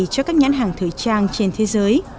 cho các nhãn hàng thời trang trên thế giới